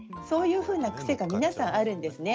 そういうような癖が皆さんあります